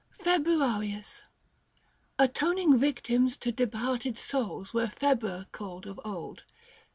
FEBEUARIUS. Atoning victims to departed souls Were Februa called of old.